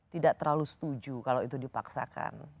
tidak terlalu setuju kalau itu dipaksakan